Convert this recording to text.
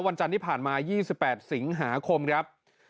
วันจันทร์ที่ผ่านมา๒๘สิงหาคมครับ